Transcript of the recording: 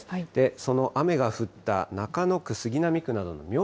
その雨が降った中野区、杉並区などのみょう